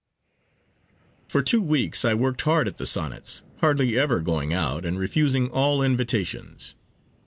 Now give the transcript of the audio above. For two weeks I worked hard at the Sonnets, hardly ever going out, and refusing all invitations.